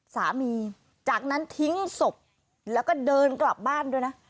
จากนั้นทิ้งศพแล้วก็เดินกลับบ้านด้วยนะ